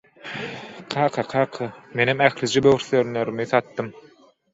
– Kaka, kaka! Menem ählije böwürslenlerimi satdym.